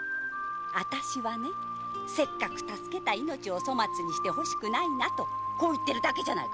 私はせっかく助けた命を粗末にしてほしくないと言ってるだけよ。